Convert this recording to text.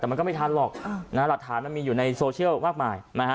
แต่มันก็ไม่ทันหรอกหลักฐานมันมีอยู่ในโซเชียลมากมายนะฮะ